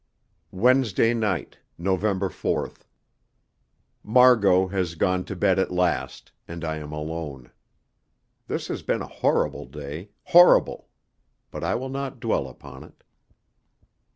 Wednesday Night, November 4th. Margot has gone to bed at last, and I am alone. This has been a horrible day horrible; but I will not dwell upon it.